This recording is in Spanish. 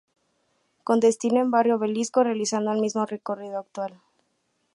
Con destino en Barrio Obelisco realizando el mismo recorrido actual.